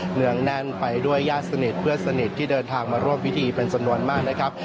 เหนืองแน่นไปด้วยญาติสนิทเพื่อนสนิทที่เดินทางมาร่วมพิธีเป็นจำนวนมากนะครับ